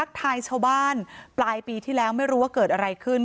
ทายชาวบ้านปลายปีที่แล้วไม่รู้ว่าเกิดอะไรขึ้น